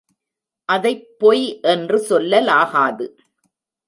அதைப் பொய் என்று சொல்லலாகாது.